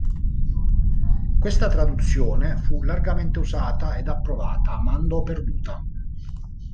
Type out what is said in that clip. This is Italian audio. Questa traduzione fu largamente usata ed approvata, ma andò perduta.